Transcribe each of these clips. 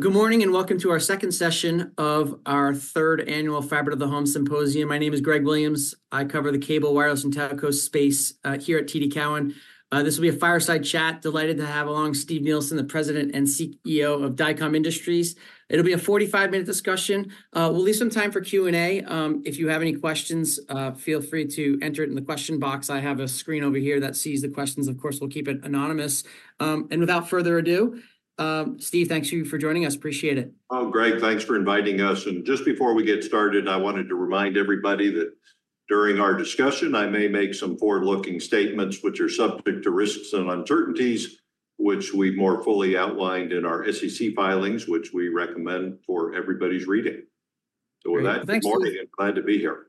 Good morning and welcome to our second session of our third annual Fiber to the Home Symposium. My name is Greg Williams. I cover the cable, wireless, and telco space here at TD Cowen. This will be a fireside chat. Delighted to have along Steve Nielsen, the President and CEO of Dycom Industries. It'll be a 45-minute discussion. We'll leave some time for Q&A. If you have any questions, feel free to enter it in the question box. I have a screen over here that sees the questions. Of course, we'll keep it anonymous. And without further ado, Steve, thanks for joining us. Appreciate it. Oh, Greg, thanks for inviting us. Just before we get started, I wanted to remind everybody that during our discussion, I may make some forward-looking statements which are subject to risks and uncertainties, which we've more fully outlined in our SEC filings, which we recommend for everybody's reading. With that, good morning and glad to be here.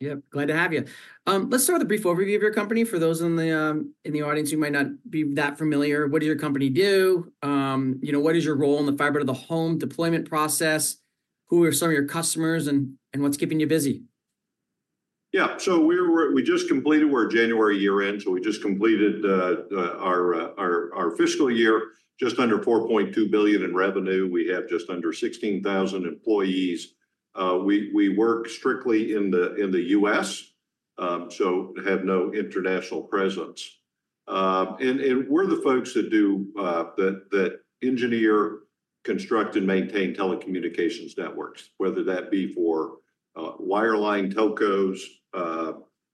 Yep, glad to have you. Let's start with a brief overview of your company. For those in the audience who might not be that familiar, what does your company do? What is your role in the fiber to the home deployment process? Who are some of your customers and what's keeping you busy? Yeah, so we just completed. We're a January year-end, so we just completed our fiscal year just under $4.2 billion in revenue. We have just under 16,000 employees. We work strictly in the U.S., so have no international presence. And we're the folks that engineer, construct, and maintain telecommunications networks, whether that be for wireline telcos,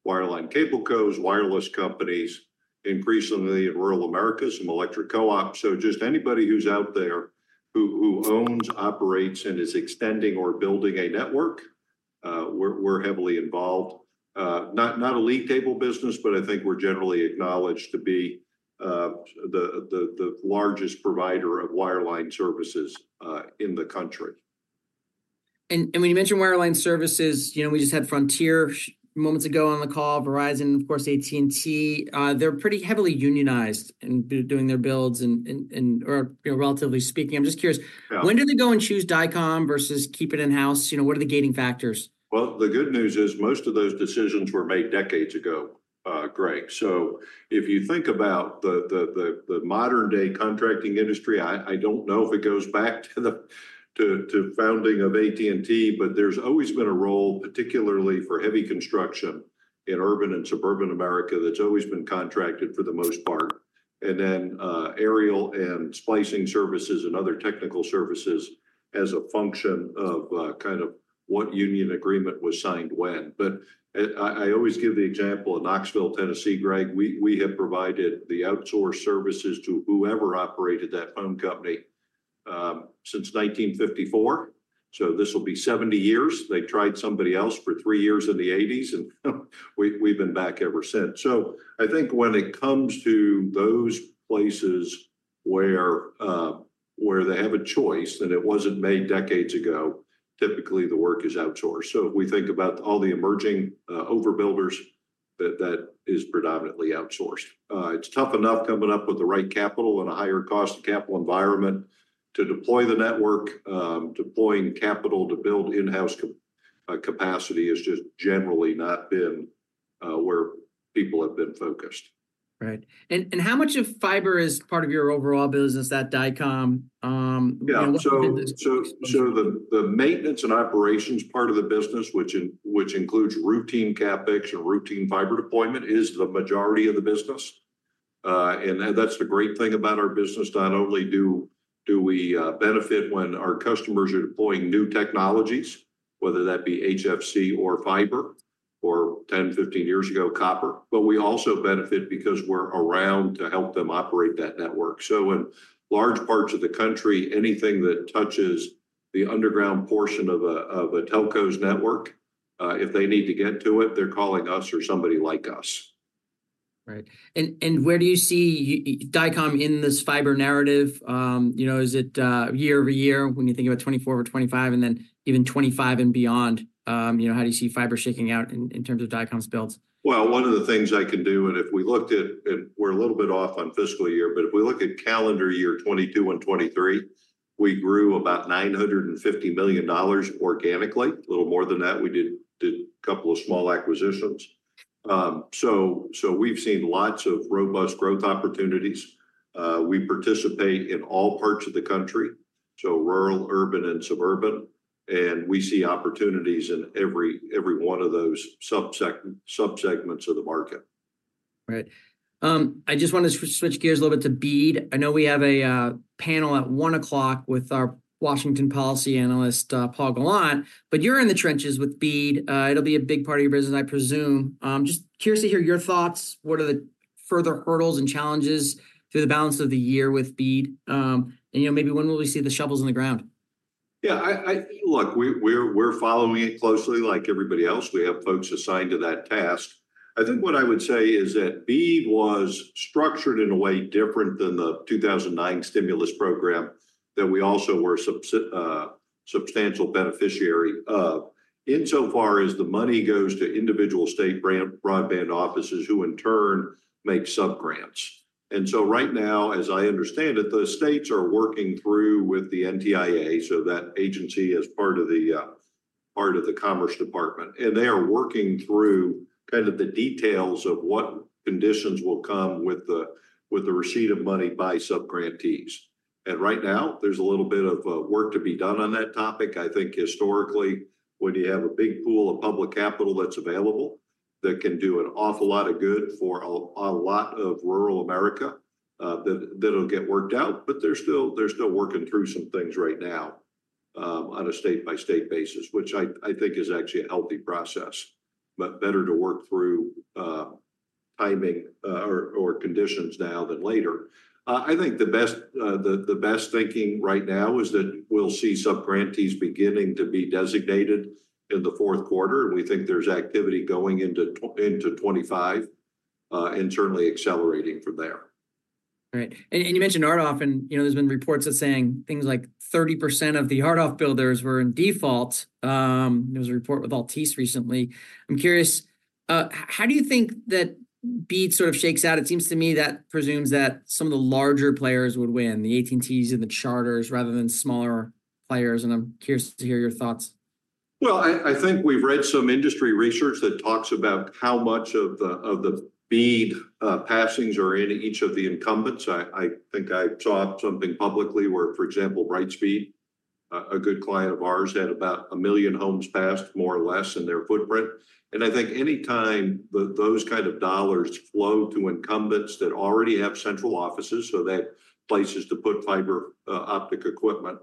wireline cablecos, wireless companies, increasingly in rural America, some electric co-ops. So just anybody who's out there who owns, operates, and is extending or building a network, we're heavily involved. Not a league table business, but I think we're generally acknowledged to be the largest provider of wireline services in the country. When you mention wireline services, we just had Frontier moments ago on the call, Verizon, of course, AT&T. They're pretty heavily unionized in doing their builds. Relatively speaking, I'm just curious, when do they go and choose Dycom versus keep it in-house? What are the gating factors? Well, the good news is most of those decisions were made decades ago, Greg. So if you think about the modern-day contracting industry, I don't know if it goes back to the founding of AT&T, but there's always been a role, particularly for heavy construction in urban and suburban America, that's always been contracted for the most part. And then aerial and splicing services and other technical services as a function of kind of what union agreement was signed when. But I always give the example of Knoxville, Tennessee, Greg. We have provided the outsourced services to whoever operated that phone company since 1954. So this will be 70 years. They tried somebody else for 3 years in the 1980s, and we've been back ever since. So I think when it comes to those places where they have a choice and it wasn't made decades ago, typically the work is outsourced. So if we think about all the emerging overbuilders, that is predominantly outsourced. It's tough enough coming up with the right capital and a higher cost of capital environment to deploy the network. Deploying capital to build in-house capacity has just generally not been where people have been focused. Right. And how much of fiber is part of your overall business, that Dycom? Yeah, so the maintenance and operations part of the business, which includes routine CapEx and routine fiber deployment, is the majority of the business. And that's the great thing about our business. Not only do we benefit when our customers are deploying new technologies, whether that be HFC or fiber or 10, 15 years ago, copper, but we also benefit because we're around to help them operate that network. So in large parts of the country, anything that touches the underground portion of a telco's network, if they need to get to it, they're calling us or somebody like us. Right. And where do you see Dycom in this fiber narrative? Is it year-over-year when you think about 2024 or 2025 and then even 2025 and beyond? How do you see fiber shaking out in terms of Dycom's builds? Well, one of the things I can do, and if we looked at, we're a little bit off on fiscal year, but if we look at calendar year 2022 and 2023, we grew about $950 million organically, a little more than that. We did a couple of small acquisitions. So we've seen lots of robust growth opportunities. We participate in all parts of the country, so rural, urban, and suburban. And we see opportunities in every one of those subsegments of the market. Right. I just want to switch gears a little bit to BEAD. I know we have a panel at 1:00 P.M. with our Washington policy analyst, Paul Gallant. But you're in the trenches with BEAD. It'll be a big part of your business, I presume. Just curious to hear your thoughts. What are the further hurdles and challenges through the balance of the year with BEAD? And maybe when will we see the shovels in the ground? Yeah, look, we're following it closely like everybody else. We have folks assigned to that task. I think what I would say is that BEAD was structured in a way different than the 2009 stimulus program that we also were a substantial beneficiary of insofar as the money goes to individual state broadband offices who in turn make subgrants. So right now, as I understand it, the states are working through with the NTIA, so that agency is part of the Commerce Department. And they are working through kind of the details of what conditions will come with the receipt of money by subgrantees. And right now, there's a little bit of work to be done on that topic. I think historically, when you have a big pool of public capital that's available, that can do an awful lot of good for a lot of rural America, that'll get worked out. But they're still working through some things right now on a state-by-state basis, which I think is actually a healthy process. But better to work through timing or conditions now than later. I think the best thinking right now is that we'll see subgrantees beginning to be designated in the fourth quarter. And we think there's activity going into 2025 and certainly accelerating from there. Right. And you mentioned RDOF, and there's been reports that saying things like 30% of the RDOF builders were in default. There was a report with Altice recently. I'm curious, how do you think that BEAD sort of shakes out? It seems to me that presumes that some of the larger players would win, the AT&Ts and the charters, rather than smaller players. And I'm curious to hear your thoughts. Well, I think we've read some industry research that talks about how much of the BEAD passings are in each of the incumbents. I think I saw something publicly where, for example, Brightspeed, a good client of ours, had about 1 million homes passed, more or less, in their footprint. And I think anytime those kind of dollars flow to incumbents that already have central offices, so they have places to put fiber optic equipment,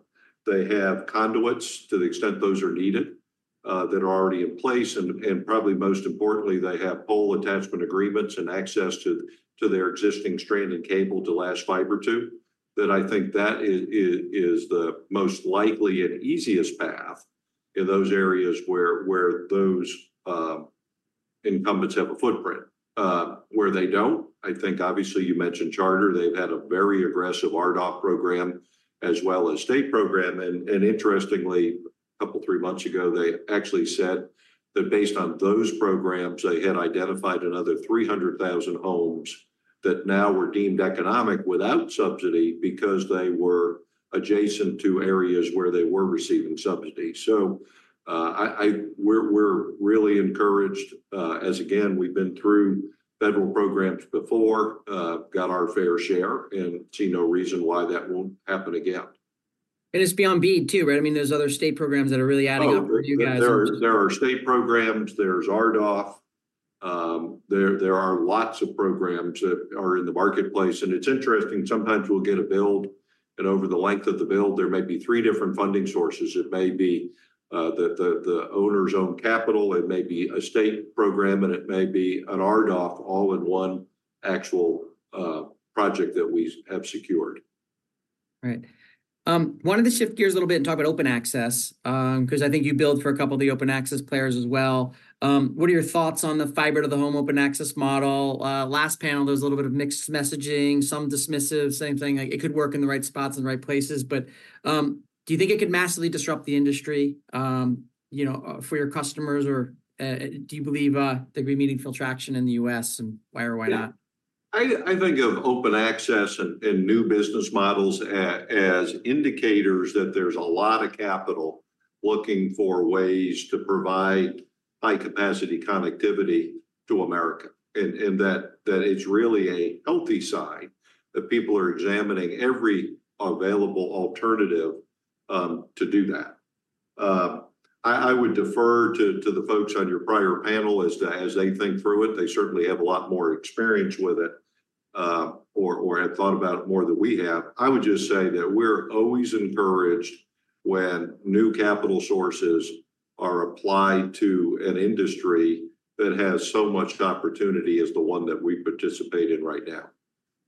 they have conduits to the extent those are needed that are already in place. And probably most importantly, they have pole attachment agreements and access to their existing strand and cable to lash fiber to. That I think that is the most likely and easiest path in those areas where those incumbents have a footprint. Where they don't, I think obviously you mentioned Charter. They've had a very aggressive RDOF program as well as state program. Interestingly, a couple or three months ago, they actually said that based on those programs, they had identified another 300,000 homes that now were deemed economic without subsidy because they were adjacent to areas where they were receiving subsidy. We're really encouraged, as again, we've been through federal programs before, got our fair share, and see no reason why that won't happen again. It's beyond BEAD too, right? I mean, there's other state programs that are really adding up for you guys. There are state programs. There's RDOF. There are lots of programs that are in the marketplace. And it's interesting. Sometimes we'll get a build. And over the length of the build, there may be three different funding sources. It may be the owner's own capital. It may be a state program. And it may be an RDOF all in one actual project that we have secured. Right. Wanted to shift gears a little bit and talk about open access because I think you build for a couple of the open access players as well. What are your thoughts on the fiber to the home open access model? Last panel, there was a little bit of mixed messaging, some dismissive, same thing. It could work in the right spots and the right places. But do you think it could massively disrupt the industry for your customers? Or do you believe there could be meaningful traction in the U.S.? And why or why not? Yeah. I think of open access and new business models as indicators that there's a lot of capital looking for ways to provide high-capacity connectivity to America. And that it's really a healthy sign that people are examining every available alternative to do that. I would defer to the folks on your prior panel as they think through it. They certainly have a lot more experience with it or have thought about it more than we have. I would just say that we're always encouraged when new capital sources are applied to an industry that has so much opportunity as the one that we participate in right now.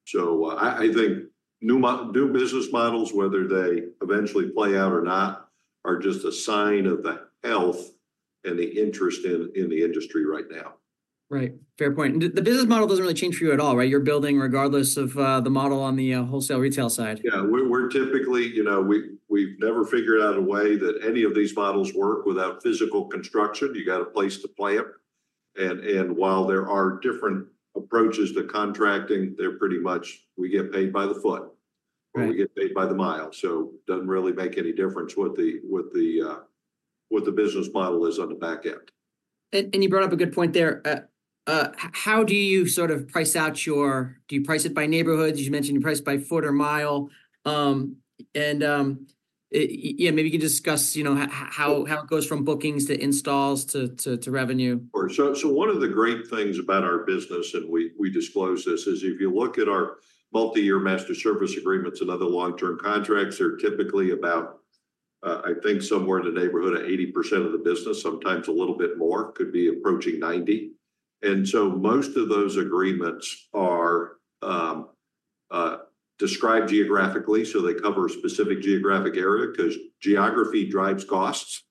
So I think new business models, whether they eventually play out or not, are just a sign of the health and the interest in the industry right now. Right. Fair point. And the business model doesn't really change for you at all, right? You're building regardless of the model on the wholesale retail side. Yeah. We're typically, we've never figured out a way that any of these models work without physical construction. You got a place to plant. And while there are different approaches to contracting, they're pretty much, we get paid by the foot or we get paid by the mile. So it doesn't really make any difference what the business model is on the back end. You brought up a good point there. How do you sort of price out your-do you price it by neighborhoods? You mentioned you price by foot or mile. And yeah, maybe you can discuss how it goes from bookings to installs to revenue. Sure. So one of the great things about our business, and we disclose this, is if you look at our multi-year master service agreements and other long-term contracts, they're typically about, I think, somewhere in the neighborhood of 80% of the business, sometimes a little bit more, could be approaching 90. And so most of those agreements are described geographically, so they cover a specific geographic area because geography drives costs.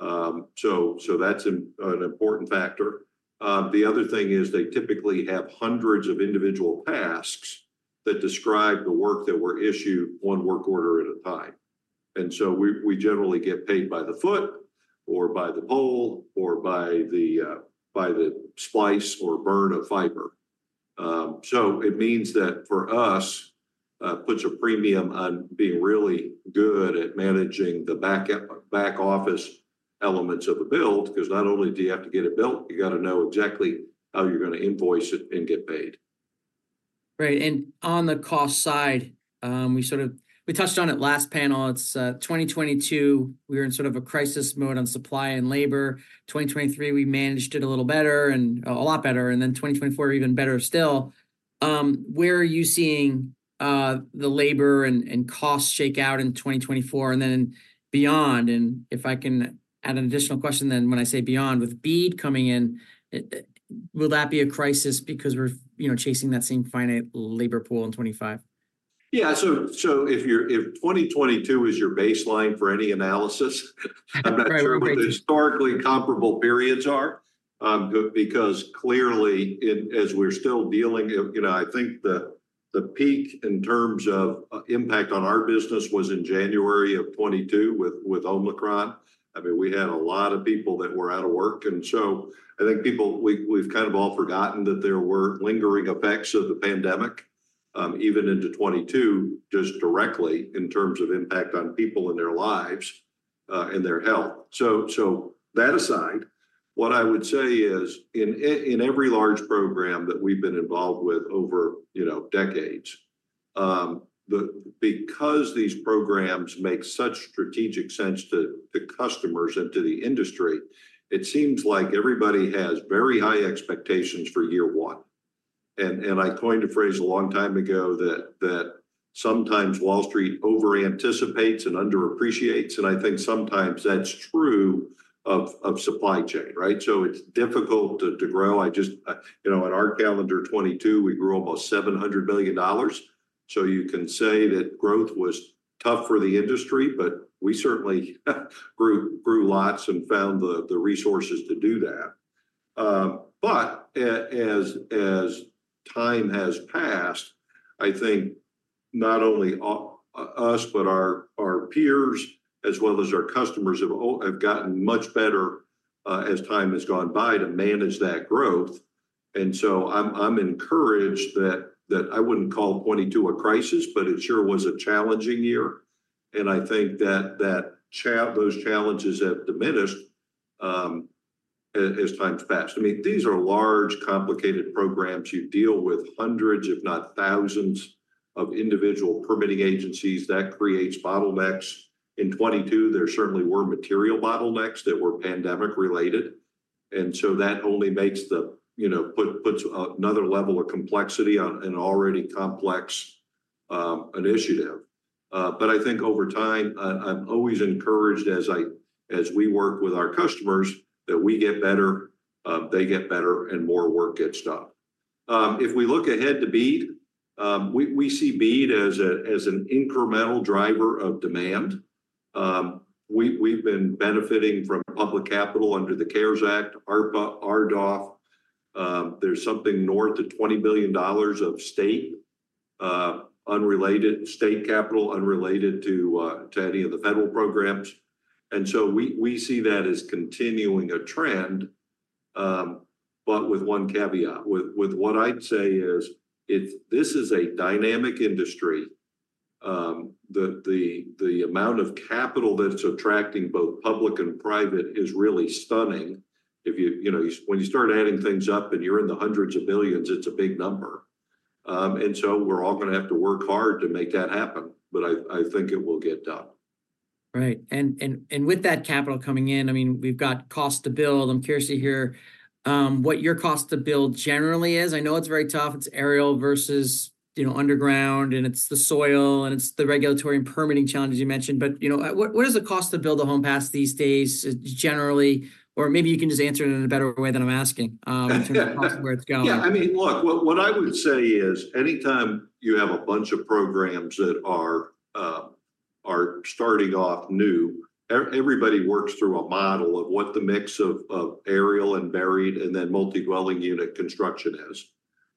So that's an important factor. The other thing is they typically have hundreds of individual tasks that describe the work that were issued one work order at a time. And so we generally get paid by the foot or by the pole or by the splice or burn of fiber. It means that for us, it puts a premium on being really good at managing the back office elements of a build because not only do you have to get it built, you got to know exactly how you're going to invoice it and get paid. Right. And on the cost side, we sort of touched on it last panel. It's 2022. We were in sort of a crisis mode on supply and labor. 2023, we managed it a little better and a lot better. And then 2024, even better still. Where are you seeing the labor and costs shake out in 2024 and then beyond? And if I can add an additional question, then when I say beyond, with BEAD coming in, will that be a crisis because we're chasing that same finite labor pool in 2025? Yeah. So if 2022 is your baseline for any analysis, I'm not sure what the historically comparable periods are because clearly, as we're still dealing, I think the peak in terms of impact on our business was in January of 2022 with Omicron. I mean, we had a lot of people that were out of work. And so I think people, we've kind of all forgotten that there were lingering effects of the pandemic even into 2022 just directly in terms of impact on people and their lives and their health. So that aside, what I would say is in every large program that we've been involved with over decades, because these programs make such strategic sense to customers and to the industry, it seems like everybody has very high expectations for year one. And I coined a phrase a long time ago that sometimes Wall Street over-anticipates and underappreciates. I think sometimes that's true of supply chain, right? It's difficult to grow. In our calendar 2022, we grew almost $700 million. You can say that growth was tough for the industry, but we certainly grew lots and found the resources to do that. As time has passed, I think not only us, but our peers as well as our customers have gotten much better as time has gone by to manage that growth. I'm encouraged that I wouldn't call 2022 a crisis, but it sure was a challenging year. I think that those challenges have diminished as time's passed. I mean, these are large, complicated programs. You deal with hundreds, if not thousands, of individual permitting agencies. That creates bottlenecks. In 2022, there certainly were material bottlenecks that were pandemic-related. And so that only makes the, puts another level of complexity on an already complex initiative. But I think over time, I'm always encouraged as we work with our customers that we get better, they get better, and more work gets done. If we look ahead to BEAD, we see BEAD as an incremental driver of demand. We've been benefiting from public capital under the CARES Act, RDOF. There's something north of $20 billion of state capital, unrelated to any of the federal programs. And so we see that as continuing a trend, but with one caveat. What I'd say is this is a dynamic industry. The amount of capital that's attracting both public and private is really stunning. When you start adding things up and you're in the hundreds of millions, it's a big number. And so we're all going to have to work hard to make that happen. But I think it will get done. Right. And with that capital coming in, I mean, we've got cost to build. I'm curious to hear what your cost to build generally is. I know it's very tough. It's aerial versus underground. And it's the soil. And it's the regulatory and permitting challenges you mentioned. But what is the cost to build a home passed these days, generally? Or maybe you can just answer it in a better way than I'm asking in terms of where it's going. Yeah. I mean, look, what I would say is anytime you have a bunch of programs that are starting off new, everybody works through a model of what the mix of aerial and buried and then multi-dwelling unit construction is.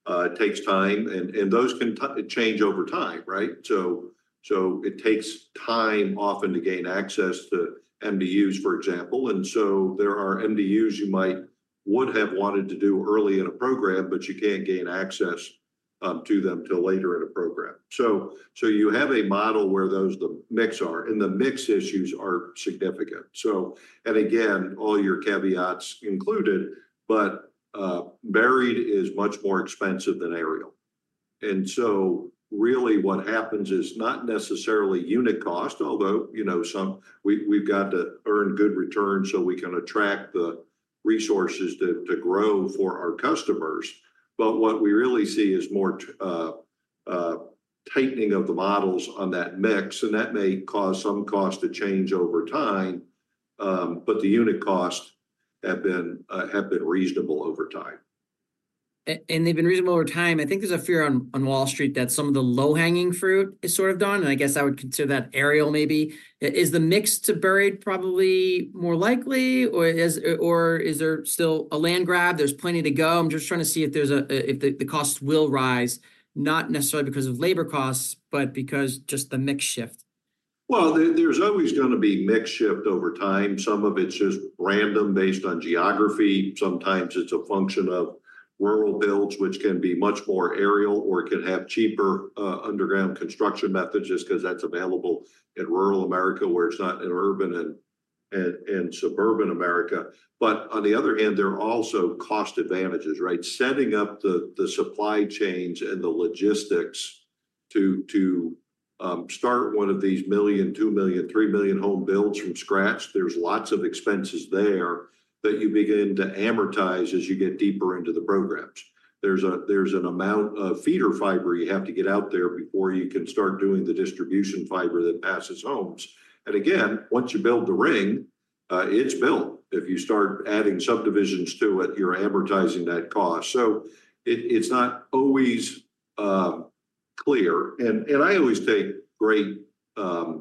It takes time. And those can change over time, right? So it takes time often to gain access to MDUs, for example. And so there are MDUs you might have wanted to do early in a program, but you can't gain access to them till later in a program. So you have a model where the mix are, and the mix issues are significant. And again, all your caveats included, but buried is much more expensive than aerial. And so really what happens is not necessarily unit cost, although we've got to earn good returns so we can attract the resources to grow for our customers. What we really see is more tightening of the models on that mix. That may cause some cost to change over time. The unit costs have been reasonable over time. They've been reasonable over time. I think there's a fear on Wall Street that some of the low-hanging fruit is sort of done. I guess I would consider that aerial maybe. Is the mix to buried probably more likely, or is there still a land grab? There's plenty to go. I'm just trying to see if the costs will rise, not necessarily because of labor costs, but because just the mix shift. Well, there's always going to be mix shift over time. Some of it's just random based on geography. Sometimes it's a function of rural builds, which can be much more aerial or can have cheaper underground construction methods just because that's available in rural America where it's not in urban and suburban America. But on the other hand, there are also cost advantages, right? Setting up the supply chains and the logistics to start one of these million, 2 million, 3 million home builds from scratch, there's lots of expenses there that you begin to amortize as you get deeper into the programs. There's an amount of feeder fiber you have to get out there before you can start doing the distribution fiber that passes homes. And again, once you build the ring, it's built. If you start adding subdivisions to it, you're amortizing that cost. It's not always clear. I always take great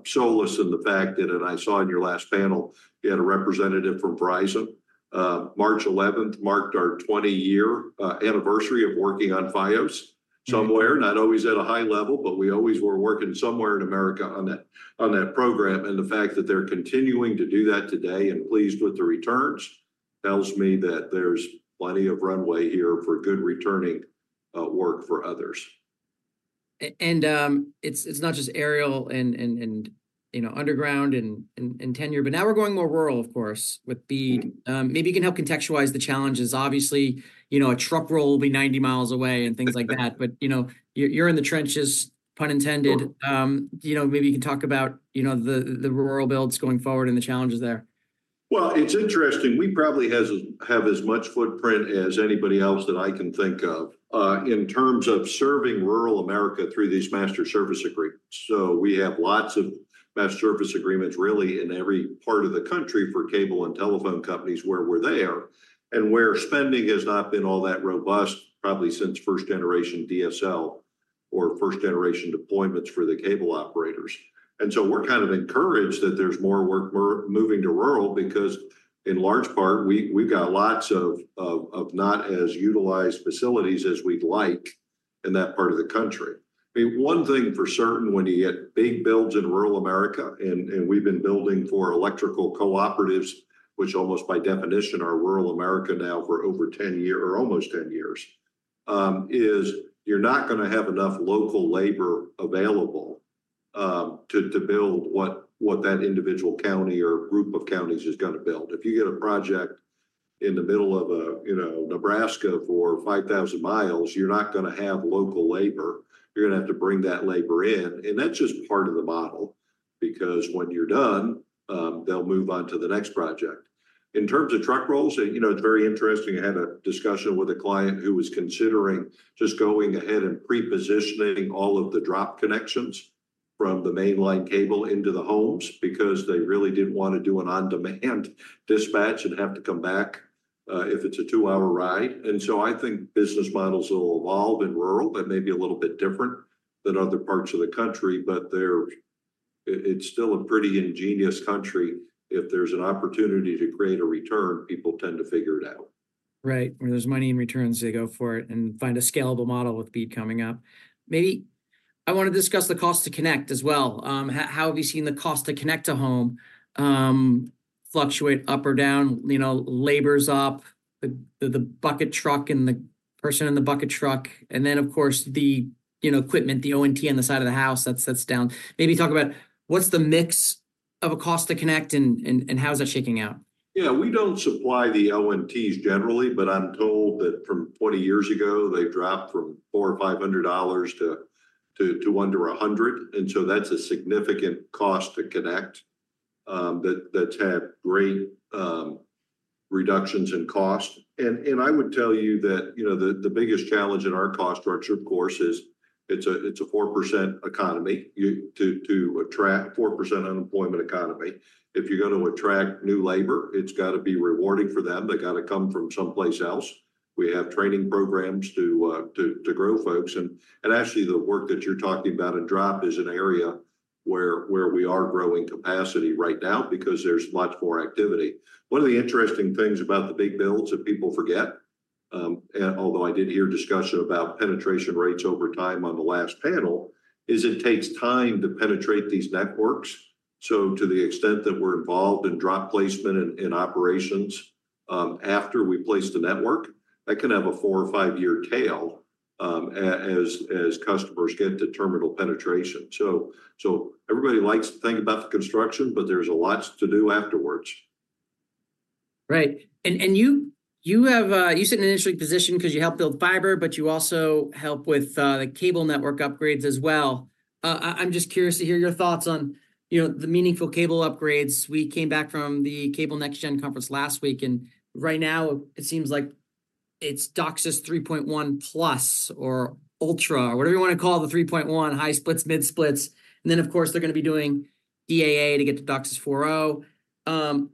solace in the fact that, and I saw in your last panel, you had a representative from Verizon. March 11th marked our 20-year anniversary of working on Fios somewhere, not always at a high level, but we always were working somewhere in America on that program. The fact that they're continuing to do that today and pleased with the returns tells me that there's plenty of runway here for good returning work for others. It's not just aerial and underground, and then we're. Now we're going more rural, of course, with BEAD. Maybe you can help contextualize the challenges. Obviously, a truck roll will be 90 miles away and things like that. You're in the trenches, pun intended. Maybe you can talk about the rural builds going forward and the challenges there. Well, it's interesting. We probably have as much footprint as anybody else that I can think of in terms of serving rural America through these master service agreements. So we have lots of master service agreements, really, in every part of the country for cable and telephone companies where we're there. And where spending has not been all that robust, probably since first-generation DSL or first-generation deployments for the cable operators. And so we're kind of encouraged that there's more work moving to rural because, in large part, we've got lots of not-as-utilized facilities as we'd like in that part of the country. I mean, one thing for certain, when you get big builds in rural America, and we've been building for electrical cooperatives, which almost by definition are rural America now for over 10 years or almost 10 years, is you're not going to have enough local labor available to build what that individual county or group of counties is going to build. If you get a project in the middle of Nebraska for 5,000 miles, you're not going to have local labor. You're going to have to bring that labor in. And that's just part of the model because when you're done, they'll move on to the next project. In terms of truck rolls, it's very interesting. I had a discussion with a client who was considering just going ahead and pre-positioning all of the drop connections from the mainline cable into the homes because they really didn't want to do an on-demand dispatch and have to come back if it's a two-hour ride. So I think business models will evolve in rural. That may be a little bit different than other parts of the country. But it's still a pretty ingenious country. If there's an opportunity to create a return, people tend to figure it out. Right. When there's money and returns, they go for it and find a scalable model with BEAD coming up. Maybe I want to discuss the cost to connect as well. How have you seen the cost to connect a home fluctuate up or down? Labor's up, the bucket truck and the person in the bucket truck. And then, of course, the equipment, the ONT on the side of the house, that's down. Maybe talk about what's the mix of a cost to connect and how is that shaking out? Yeah. We don't supply the ONTs generally, but I'm told that from 20 years ago, they've dropped from $400 or $500 to under $100. And so that's a significant cost to connect that's had great reductions in cost. And I would tell you that the biggest challenge in our cost structure, of course, is it's a 4% economy to attract, 4% unemployment economy. If you're going to attract new labor, it's got to be rewarding for them. They got to come from someplace else. We have training programs to grow folks. And actually, the work that you're talking about in drop is an area where we are growing capacity right now because there's much more activity. One of the interesting things about the big builds that people forget, although I did hear discussion about penetration rates over time on the last panel, is it takes time to penetrate these networks. So to the extent that we're involved in drop placement and operations after we place the network, that can have a 4-5-year tail as customers get to terminal penetration. So everybody likes to think about the construction, but there's a lot to do afterwards. Right. You sit in an interesting position because you help build fiber, but you also help with the cable network upgrades as well. I'm just curious to hear your thoughts on the meaningful cable upgrades. We came back from the Cable Next-Gen conference last week. Right now, it seems like it's DOCSIS 3.1 Plus or Ultra or whatever you want to call the 3.1, high splits, mid splits. Then, of course, they're going to be doing DAA to get to DOCSIS 4.0.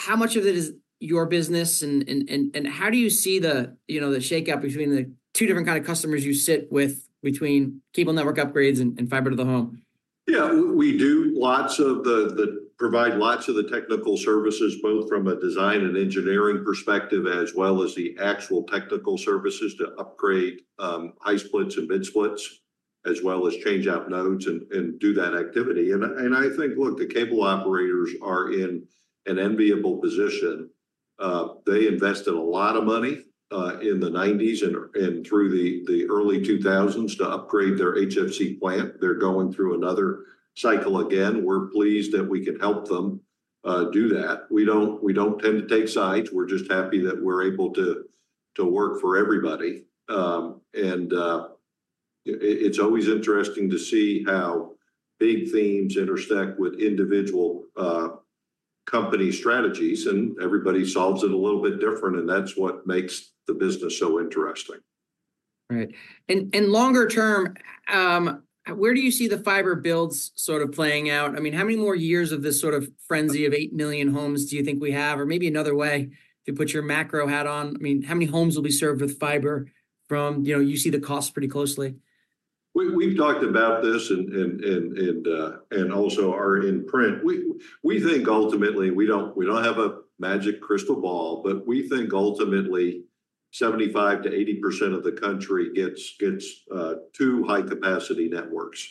How much of it is your business? How do you see the shakeup between the two different kinds of customers you sit with between cable network upgrades and fiber to the home? Yeah. We do provide lots of the technical services, both from a design and engineering perspective, as well as the actual technical services to upgrade high splits and mid splits, as well as change out nodes and do that activity. And I think, look, the cable operators are in an enviable position. They invested a lot of money in the '90s and through the early 2000s to upgrade their HFC plant. They're going through another cycle again. We're pleased that we can help them do that. We don't tend to take sides. We're just happy that we're able to work for everybody. And it's always interesting to see how big themes intersect with individual company strategies. And everybody solves it a little bit different. And that's what makes the business so interesting. Right. And longer term, where do you see the fiber builds sort of playing out? I mean, how many more years of this sort of frenzy of 8 million homes do you think we have? Or maybe another way, if you put your macro hat on, I mean, how many homes will be served with fiber, from you see, the costs pretty closely? We've talked about this and also our imprint. We think ultimately, we don't have a magic crystal ball. But we think ultimately, 75%-80% of the country gets two high-capacity networks,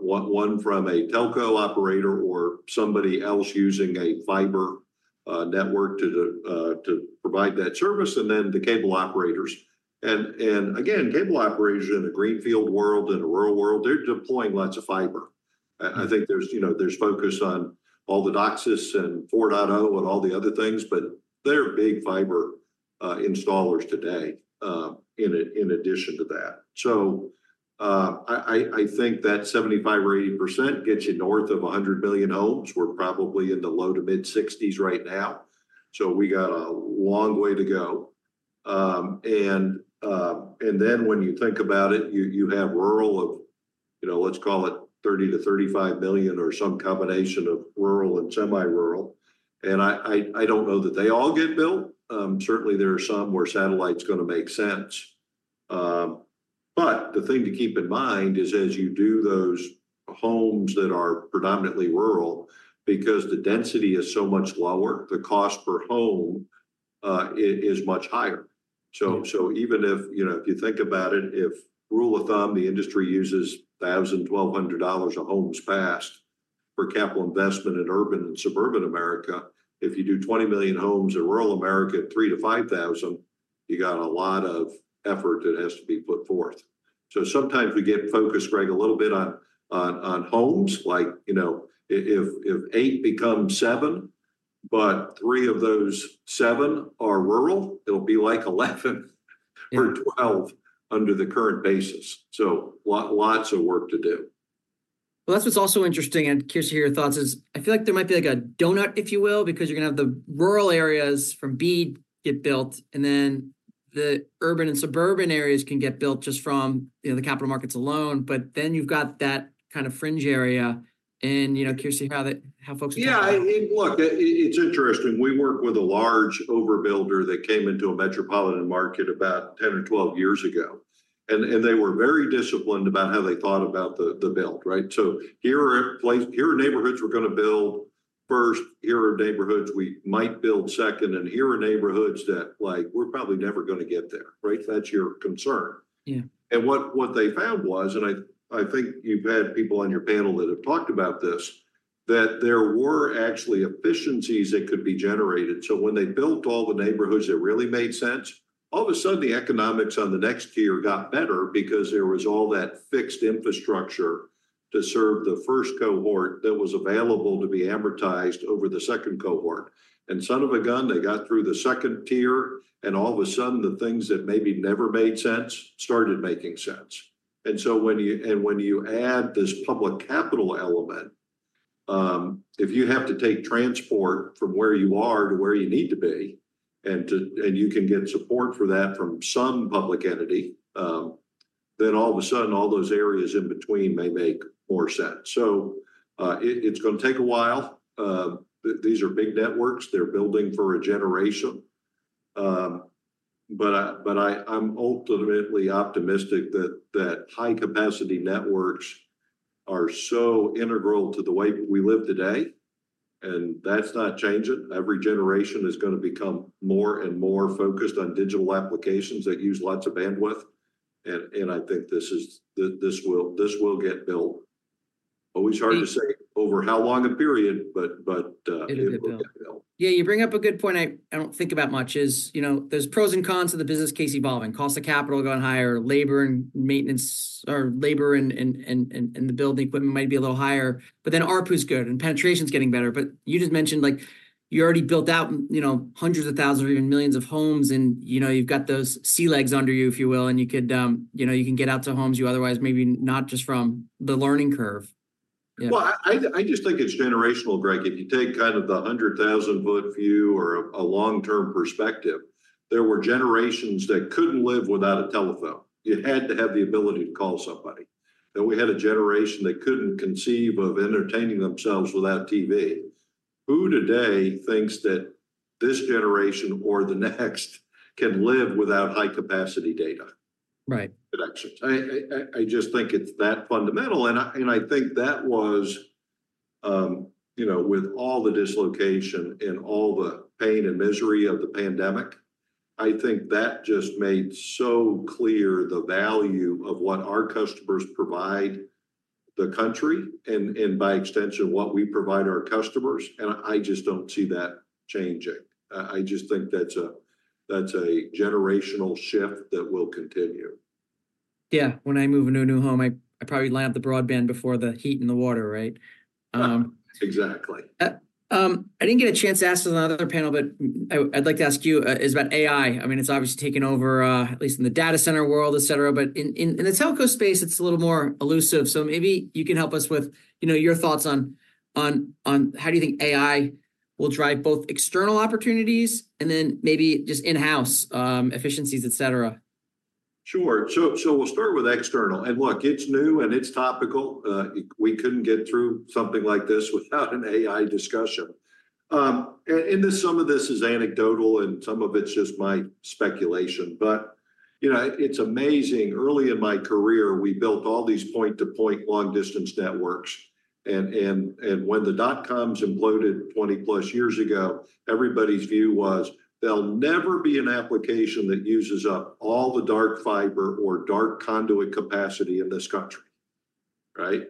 one from a telco operator or somebody else using a fiber network to provide that service, and then the cable operators. Again, cable operators in the greenfield world and the rural world, they're deploying lots of fiber. I think there's focus on all the DOCSIS and 4.0 and all the other things. But they're big fiber installers today in addition to that. So I think that 75% or 80% gets you north of 100 million homes. We're probably in the low to mid-60s right now. So we got a long way to go. And then when you think about it, you have rural of, let's call it, 30-35 million or some combination of rural and semi-rural. And I don't know that they all get built. Certainly, there are some where satellite's going to make sense. But the thing to keep in mind is as you do those homes that are predominantly rural, because the density is so much lower, the cost per home is much higher. So even if you think about it, if rule of thumb, the industry uses $1,000-$1,200 homes passed for capital investment in urban and suburban America. If you do 20 million homes in rural America at $3,000-$5,000, you got a lot of effort that has to be put forth. So sometimes we get focused, Greg, a little bit on homes, like if 8 become 7, but 3 of those 7 are rural, it'll be like 11 or 12 under the current basis. So lots of work to do. Well, that's what's also interesting. And curious to hear your thoughts is I feel like there might be a donut, if you will, because you're going to have the rural areas from BEAD get built, and then the urban and suburban areas can get built just from the capital markets alone. But then you've got that kind of fringe area. And curious to hear how folks are doing that. Yeah. Look, it's interesting. We work with a large overbuilder that came into a metropolitan market about 10 or 12 years ago. And they were very disciplined about how they thought about the build, right? So here are neighborhoods we're going to build first, here are neighborhoods we might build second, and here are neighborhoods that we're probably never going to get there, right? That's your concern. And what they found was, and I think you've had people on your panel that have talked about this, that there were actually efficiencies that could be generated. So when they built all the neighborhoods that really made sense, all of a sudden, the economics on the next tier got better because there was all that fixed infrastructure to serve the first cohort that was available to be amortized over the second cohort. Son of a gun, they got through the second tier, and all of a sudden, the things that maybe never made sense started making sense. So when you add this public capital element, if you have to take transport from where you are to where you need to be, and you can get support for that from some public entity, then all of a sudden, all those areas in between may make more sense. It's going to take a while. These are big networks. They're building for a generation. But I'm ultimately optimistic that high-capacity networks are so integral to the way we live today. And that's not changing. Every generation is going to become more and more focused on digital applications that use lots of bandwidth. And I think this will get built. Always hard to say over how long a period, but it'll get built. Yeah. You bring up a good point I don't think about much, is there's pros and cons to the business case evolving. Cost of capital going higher, labor and maintenance, or labor and the building equipment might be a little higher. But then ARP is good, and penetration's getting better. But you just mentioned you already built out hundreds of thousands or even millions of homes. And you've got those sea legs under you, if you will. And you can get out to homes you otherwise maybe not just from the learning curve. Well, I just think it's generational, Greg. If you take kind of the 100,000-foot view or a long-term perspective, there were generations that couldn't live without a telephone. You had to have the ability to call somebody. And we had a generation that couldn't conceive of entertaining themselves without TV. Who today thinks that this generation or the next can live without high-capacity data connections? I just think it's that fundamental. And I think that was, with all the dislocation and all the pain and misery of the pandemic, I think that just made so clear the value of what our customers provide the country and, by extension, what we provide our customers. And I just don't see that changing. I just think that's a generational shift that will continue. Yeah. When I move into a new home, I probably land the broadband before the heat and the water, right? Exactly. I didn't get a chance to ask this on another panel, but I'd like to ask you is about AI. I mean, it's obviously taken over, at least in the data center world, etc. But in the telco space, it's a little more elusive. So maybe you can help us with your thoughts on how do you think AI will drive both external opportunities and then maybe just in-house efficiencies, etc. Sure. So we'll start with external. And look, it's new, and it's topical. We couldn't get through something like this without an AI discussion. And some of this is anecdotal, and some of it's just my speculation. But it's amazing. Early in my career, we built all these point-to-point long-distance networks. And when the dot-coms imploded 20+ years ago, everybody's view was, "There'll never be an application that uses up all the dark fiber or dark conduit capacity in this country," right?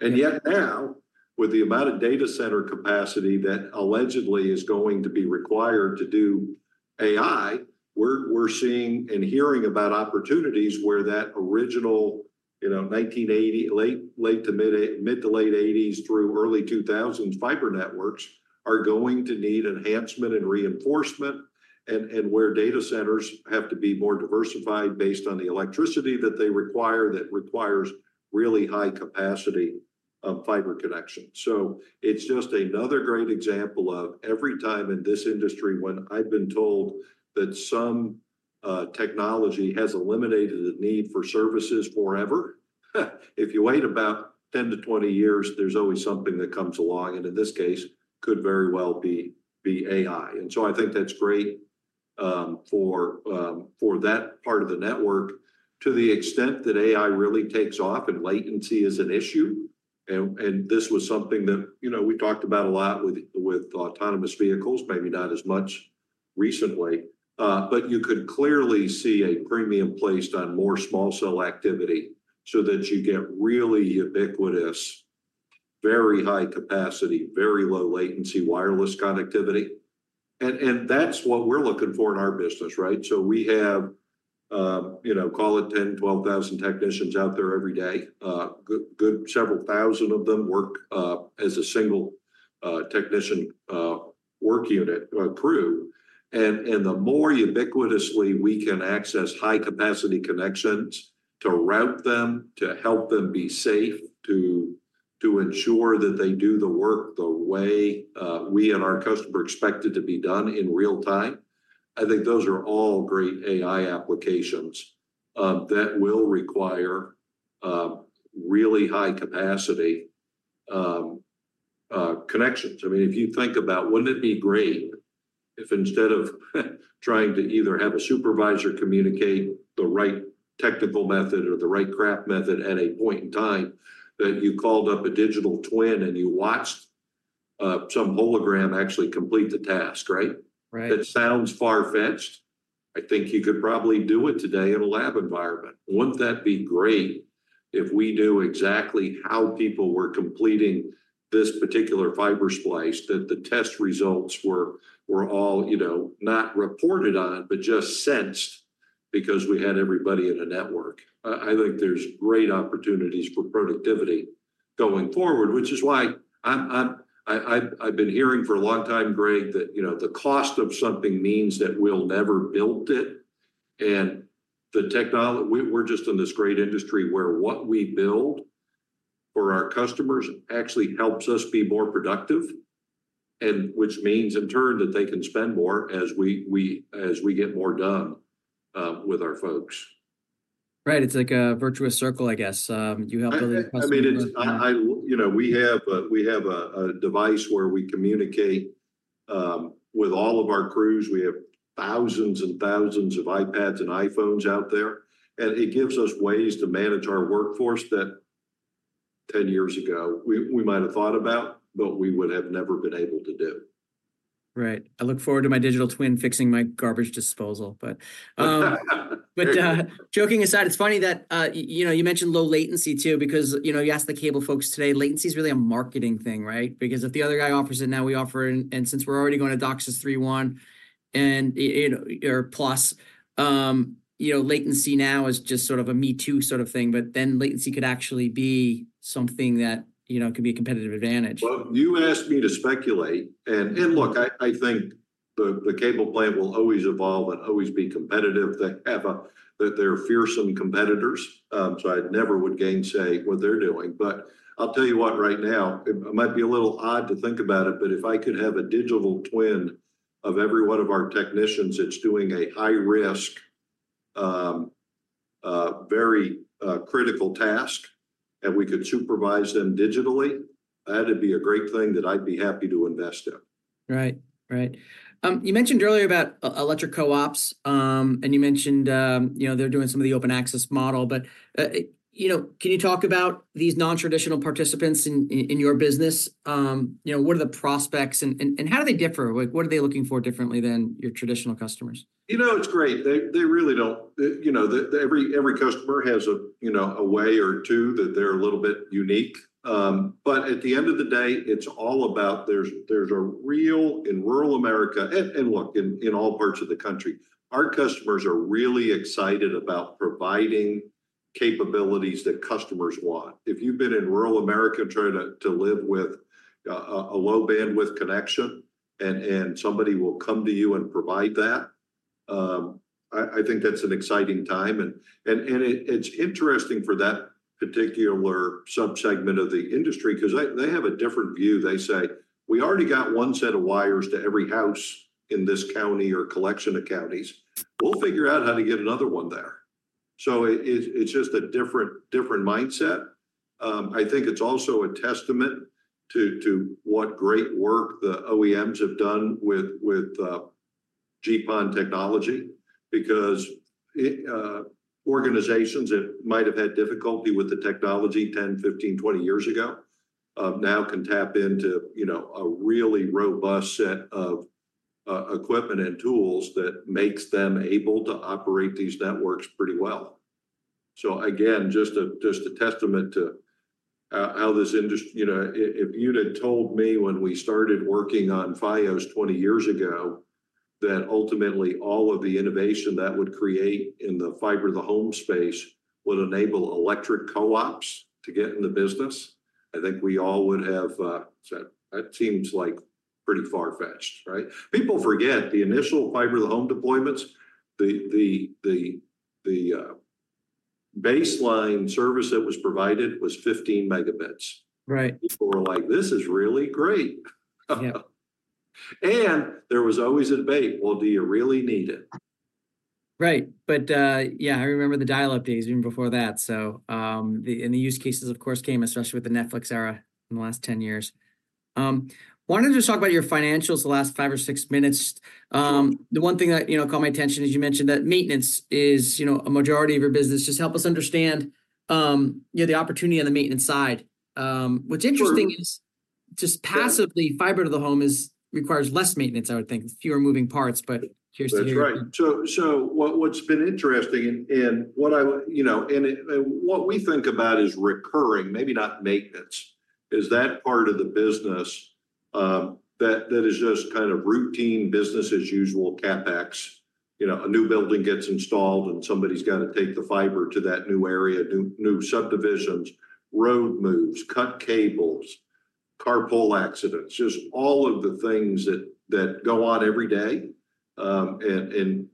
And yet now, with the amount of data center capacity that allegedly is going to be required to do AI, we're seeing and hearing about opportunities where that original 1980s, late to mid- to late '80s through early 2000s fiber networks are going to need enhancement and reinforcement and where data centers have to be more diversified based on the electricity that they require that requires really high capacity fiber connection. So it's just another great example of every time in this industry when I've been told that some technology has eliminated the need for services forever, if you wait about 10-20 years, there's always something that comes along. And in this case, could very well be AI. And so I think that's great for that part of the network, to the extent that AI really takes off and latency is an issue. This was something that we talked about a lot with autonomous vehicles, maybe not as much recently. But you could clearly see a premium placed on more small-cell activity so that you get really ubiquitous, very high capacity, very low latency wireless connectivity. And that's what we're looking for in our business, right? So we have, call it 10-12,000 technicians out there every day. Several thousand of them work as a single technician work unit or crew. And the more ubiquitously we can access high-capacity connections to route them, to help them be safe, to ensure that they do the work the way we and our customer expect it to be done in real time, I think those are all great AI applications that will require really high-capacity connections. I mean, if you think about, wouldn't it be great if instead of trying to either have a supervisor communicate the right technical method or the right craft method at a point in time, that you called up a digital twin and you watched some hologram actually complete the task, right? Right. That sounds far-fetched. I think you could probably do it today in a lab environment. Wouldn't that be great if we knew exactly how people were completing this particular fiber splice, that the test results were all not reported on but just sensed because we had everybody in a network? I think there's great opportunities for productivity going forward, which is why I've been hearing for a long time, Greg, that the cost of something means that we'll never build it. And we're just in this great industry where what we build for our customers actually helps us be more productive, which means in turn that they can spend more as we get more done with our folks. Right. It's like a virtuous circle, I guess. You help build these customers. I mean, we have a device where we communicate with all of our crews. We have thousands and thousands of iPads and iPhones out there. It gives us ways to manage our workforce that 10 years ago, we might have thought about, but we would have never been able to do. Right. I look forward to my digital twin fixing my garbage disposal. But joking aside, it's funny that you mentioned low latency too because you asked the cable folks today. Latency is really a marketing thing, right? Because if the other guy offers it now, we offer it. And since we're already going to DOCSIS 3.1 or plus, latency now is just sort of a me too sort of thing. But then latency could actually be something that could be a competitive advantage. Well, you asked me to speculate. And look, I think the cable plant will always evolve and always be competitive. They have their fearsome competitors. So I never would gainsay what they're doing. But I'll tell you what, right now, it might be a little odd to think about it. But if I could have a digital twin of every one of our technicians that's doing a high-risk, very critical task, and we could supervise them digitally, that'd be a great thing that I'd be happy to invest in. Right. Right. You mentioned earlier about electric co-ops, and you mentioned they're doing some of the open access model. But can you talk about these non-traditional participants in your business? What are the prospects, and how do they differ? What are they looking for differently than your traditional customers? It's great. They really don't. Every customer has a way or two that they're a little bit unique. But at the end of the day, it's all about. There's a real need in rural America and look, in all parts of the country, our customers are really excited about providing capabilities that customers want. If you've been in rural America trying to live with a low-bandwidth connection, and somebody will come to you and provide that, I think that's an exciting time. It's interesting for that particular subsegment of the industry because they have a different view. They say, "We already got one set of wires to every house in this county or collection of counties. We'll figure out how to get another one there." So it's just a different mindset. I think it's also a testament to what great work the OEMs have done with GPON technology because organizations that might have had difficulty with the technology 10, 15, 20 years ago now can tap into a really robust set of equipment and tools that makes them able to operate these networks pretty well. So again, just a testament to how this industry if you'd have told me when we started working on Fios 20 years ago that ultimately all of the innovation that would create in the fiber-to-the-home space would enable electric co-ops to get in the business, I think we all would have said, "That seems pretty far-fetched," right? People forget the initial fiber-to-the-home deployments. The baseline service that was provided was 15 megabits. People were like, "This is really great." And there was always a debate, "Well, do you really need it? Right. But yeah, I remember the dial-up days even before that. And the use cases, of course, came, especially with the Netflix era in the last 10 years. Wanted to just talk about your financials the last five or six minutes. The one thing that caught my attention is you mentioned that maintenance is a majority of your business. Just help us understand the opportunity on the maintenance side. What's interesting is just passively, fiber to the home requires less maintenance, I would think, fewer moving parts. But curious to hear. That's right. So what's been interesting and what I and what we think about is recurring, maybe not maintenance, is that part of the business that is just kind of routine, business-as-usual CapEx. A new building gets installed, and somebody's got to take the fiber to that new area, new subdivisions, road moves, cut cables, car pole accidents, just all of the things that go on every day. And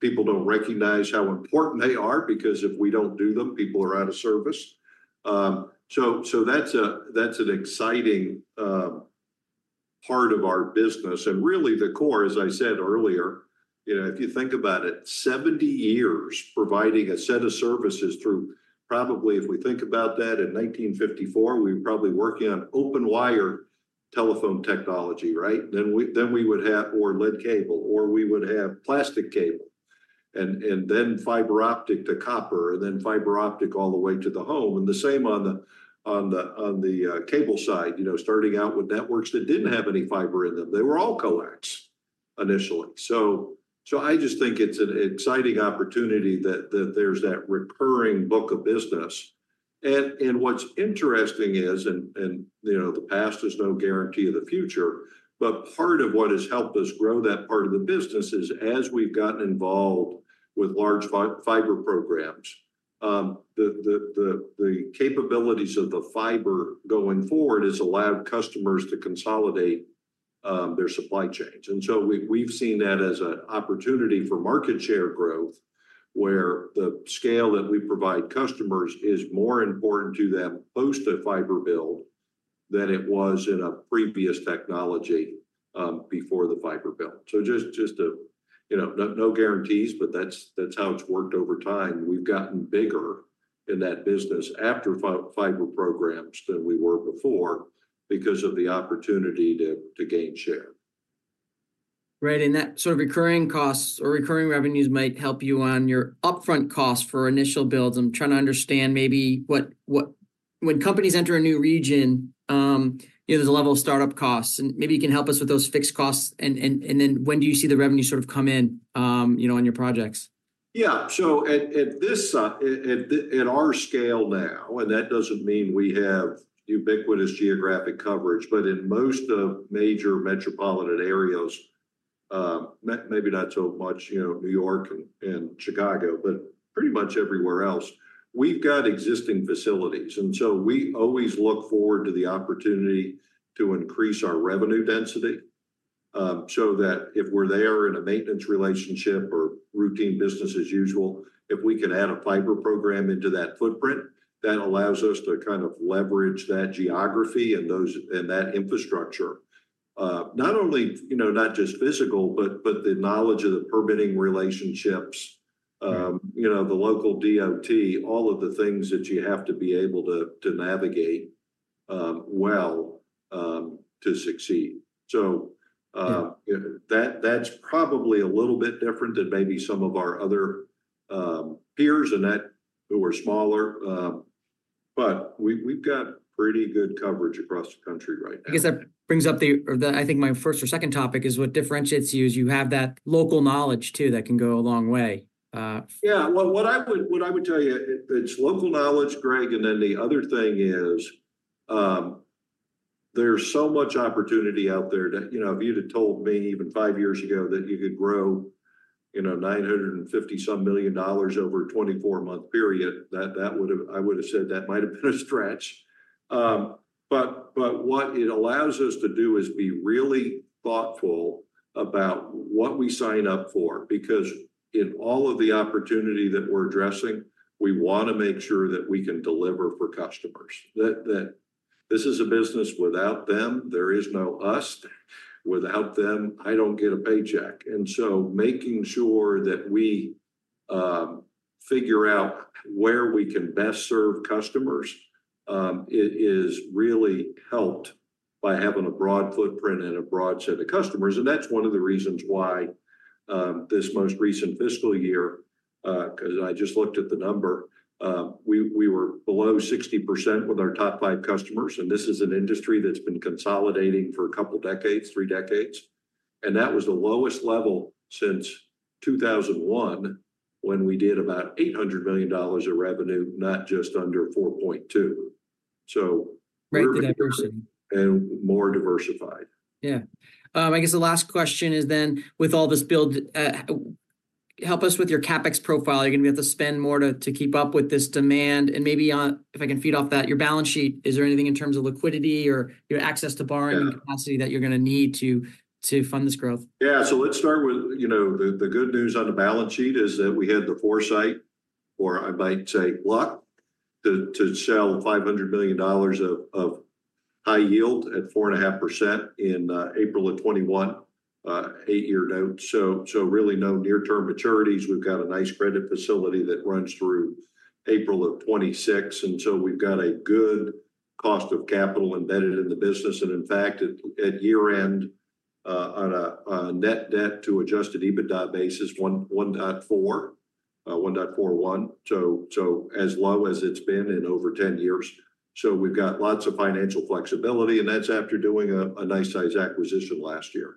people don't recognize how important they are because if we don't do them, people are out of service. So that's an exciting part of our business. And really, the core, as I said earlier, if you think about it, 70 years providing a set of services through probably if we think about that, in 1954, we were probably working on open-wire telephone technology, right? Then we would have or lead cable, or we would have plastic cable, and then fiber optic to copper, and then fiber optic all the way to the home. The same on the cable side, starting out with networks that didn't have any fiber in them. They were all coax initially. I just think it's an exciting opportunity that there's that recurring book of business. What's interesting is, and the past is no guarantee of the future, but part of what has helped us grow that part of the business is as we've gotten involved with large fiber programs, the capabilities of the fiber going forward has allowed customers to consolidate their supply chains. We've seen that as an opportunity for market share growth where the scale that we provide customers is more important to them post a fiber build than it was in a previous technology before the fiber build. Just no guarantees, but that's how it's worked over time. We've gotten bigger in that business after fiber programs than we were before because of the opportunity to gain share. Right. And that sort of recurring costs or recurring revenues might help you on your upfront costs for initial builds. I'm trying to understand maybe when companies enter a new region, there's a level of startup costs. And maybe you can help us with those fixed costs. And then when do you see the revenue sort of come in on your projects? Yeah. So at our scale now, and that doesn't mean we have ubiquitous geographic coverage, but in most of major metropolitan areas, maybe not so much, New York and Chicago, but pretty much everywhere else, we've got existing facilities. And so we always look forward to the opportunity to increase our revenue density so that if we're there in a maintenance relationship or routine business-as-usual, if we can add a fiber program into that footprint, that allows us to kind of leverage that geography and that infrastructure, not only not just physical, but the knowledge of the permitting relationships, the local DOT, all of the things that you have to be able to navigate well to succeed. So that's probably a little bit different than maybe some of our other peers who are smaller. But we've got pretty good coverage across the country right now. I guess that brings up the, I think, my first or second topic is what differentiates you is you have that local knowledge too that can go a long way. Yeah. What I would tell you, it's local knowledge, Greg. And then the other thing is there's so much opportunity out there. If you'd have told me even 5 years ago that you could grow $950 million over a 24-month period, I would have said that might have been a stretch. But what it allows us to do is be really thoughtful about what we sign up for because in all of the opportunity that we're addressing, we want to make sure that we can deliver for customers. This is a business without them. There is no us. Without them, I don't get a paycheck. And so making sure that we figure out where we can best serve customers is really helped by having a broad footprint and a broad set of customers. That's one of the reasons why this most recent fiscal year, because I just looked at the number, we were below 60% with our top five customers. This is an industry that's been consolidating for a couple of decades, three decades. That was the lowest level since 2001 when we did about $800 million of revenue, now just under $4.2 billion. So we're good. Right. Diversity. And more diversified. Yeah. I guess the last question is then, with all this build, help us with your CapEx profile. You're going to be able to spend more to keep up with this demand. And maybe if I can feed off that, your balance sheet, is there anything in terms of liquidity or access to borrowing capacity that you're going to need to fund this growth? Yeah. So let's start with the good news on the balance sheet is that we had the foresight, or I might say luck, to sell $500 million of high yield at 4.5% in April of 2021, eight-year note. So really no near-term maturities. We've got a nice credit facility that runs through April of 2026. And so we've got a good cost of capital embedded in the business. And in fact, at year-end, on a net debt to adjusted EBITDA basis, 1.41, so as low as it's been in over 10 years. So we've got lots of financial flexibility. And that's after doing a nice-sized acquisition last year.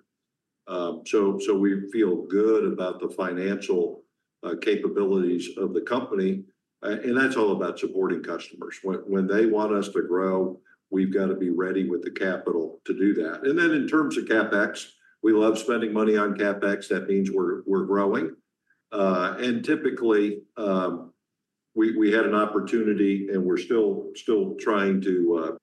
So we feel good about the financial capabilities of the company. And that's all about supporting customers. When they want us to grow, we've got to be ready with the capital to do that. Then in terms of CapEx, we love spending money on CapEx. That means we're growing. Typically, we had an opportunity, and we're still trying to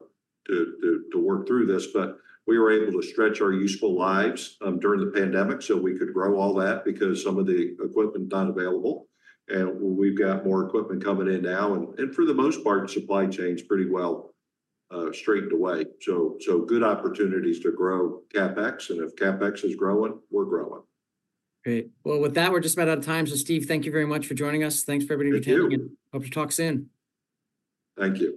work through this. But we were able to stretch our useful lives during the pandemic so we could grow all that because some of the equipment's not available. We've got more equipment coming in now. For the most part, supply chain's pretty well straightened away. So good opportunities to grow CapEx. If CapEx is growing, we're growing. Great. Well, with that, we're just about out of time. So Steve, thank you very much for joining us. Thanks for everybody for joining. You too. Hope you talk soon. Thank you.